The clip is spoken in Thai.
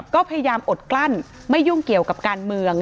ก็พยายามอดกลั้นไม่ยุ่งเกี่ยวกับการเมือง